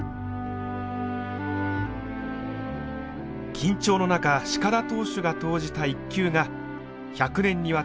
緊張の中鹿田投手が投じた一球が１００年にわたる球史の幕を開けました。